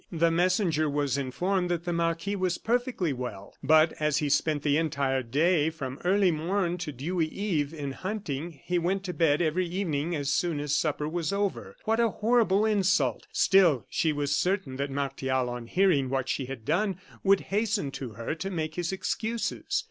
The messenger was informed that the marquis was perfectly well, but, as he spent the entire day, from early morn to dewy eve, in hunting, he went to bed every evening as soon as supper was over. What a horrible insult! Still, she was certain that Martial, on hearing what she had done, would hasten to her to make his excuses.